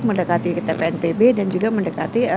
mendekati tpnpb dan juga mendekati